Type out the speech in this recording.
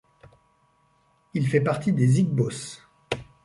Il fait partie des Igbos.